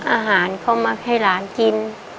อาหารเขามาให้หลานกิน